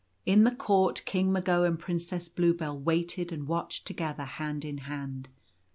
In the court King Mago and Princess Bluebell waited and watched together hand in hand.